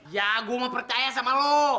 ya gua mau percaya sama lu